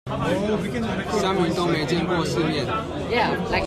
鄉民都沒見過世面